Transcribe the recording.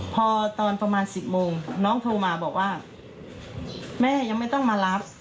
พอตอนประมาณ๑๐โมงน้องโทรมาบอกว่าแม่ยังไม่ต้องมารับ